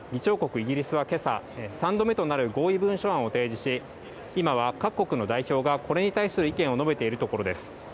イギリスは今朝３度目となる合意文書案を提出し今は、各国の代表が、これに対する意見を述べているところです。